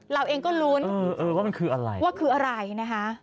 แล้วก็ลุ้นเราเองก็ลุ้นว่าคืออะไรนะฮะ